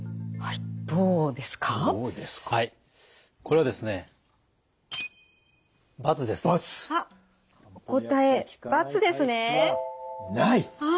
はい。